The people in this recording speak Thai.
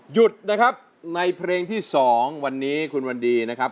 หยุดนะครับในเพลงที่๒วันนี้คุณวันดีนะครับ